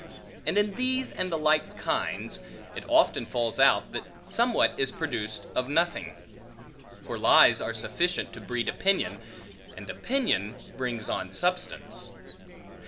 And in these and the like kinds, it often falls out, that somewhat is produced of nothing; for lies are sufficient to breed opinion, and opinion brings on substance.